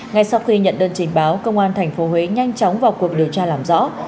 ngay sau khi nhận đơn trình báo công an tp huế nhanh chóng vào cuộc điều tra làm rõ